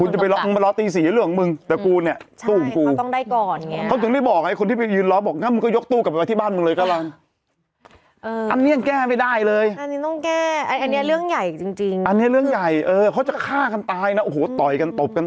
ใช่ถ้าเป็นคนต่อต่างบ๊วยบ๊วยบ๊วยบ๊วยบ๊วยบ๊วยบ๊วยบ๊วยบ๊วยบ๊วยบ๊วยบ๊วยบ๊วยบ๊วยบ๊วยบ๊วยบ๊วยบ๊วยบ๊วยบ๊วยบ๊วยบ๊วยบ๊วยบ๊วยบ๊วยบ๊วย